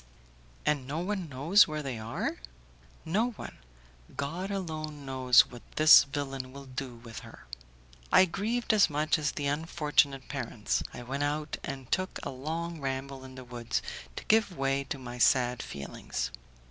"And no one knows where they are?" "No one. God alone knows what this villain will do with her." I grieved as much as the unfortunate parents; I went out and took a long ramble in the woods to give way to my sad feelings.